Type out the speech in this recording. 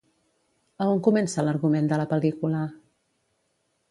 A on comença l'argument de la pel·lícula?